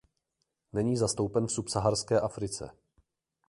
Není zastoupen v subsaharské Africe.